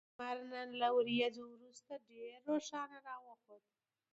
لمر نن له وريځو وروسته ډېر روښانه راوخوت